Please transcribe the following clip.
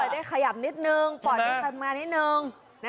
ได้ขยับนิดนึงปอดได้สำหรับนิดนึง